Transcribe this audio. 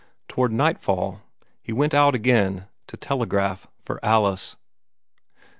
Toward nightfall, he went out again to telegraph for Alice.